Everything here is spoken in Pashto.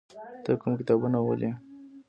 ته کوم کتابونه ولې؟